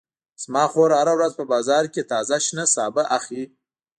زما خور هره ورځ په بازار کې تازه شنه سابه اخلي